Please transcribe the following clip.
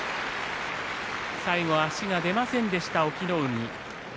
最後は足が出ませんでした隠岐の海。